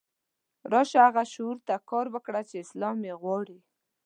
راشه هغه شعور ته کار وکړه چې اسلام یې غواړي.